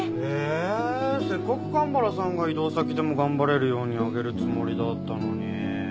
えーせっかく蒲原さんが異動先でも頑張れるようにあげるつもりだったのに。